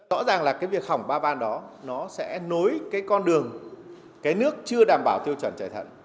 rõ ràng là việc hỏng ba van đó sẽ nối con đường cái nước chưa đảm bảo tiêu chuẩn chạy thận